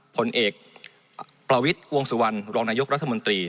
ผลเอกประวิทย์วงสุวรรณรองนายกรัฐมนตรี